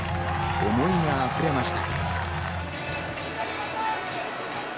思いが溢れました。